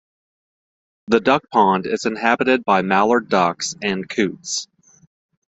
The duck pond is inhabited by mallard ducks and coots.